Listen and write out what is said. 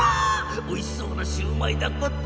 おいしそうなシューマイだこと！